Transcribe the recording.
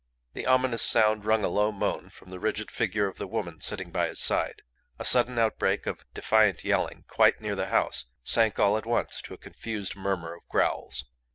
The ominous sound wrung a low moan from the rigid figure of the woman sitting by his side. A sudden outbreak of defiant yelling quite near the house sank all at once to a confused murmur of growls.